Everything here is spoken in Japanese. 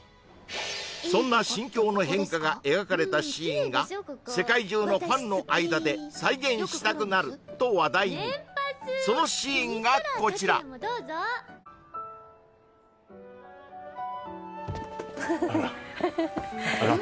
そんな心境の変化が描かれたシーンが世界中のファンの間で再現したくなると話題にそのシーンがこちらあら笑っちゃうの？